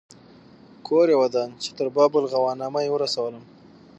کور یې ودان چې تر باب الغوانمه یې ورسولم.